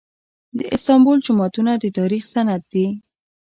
د استانبول جوماتونه د تاریخ سند دي.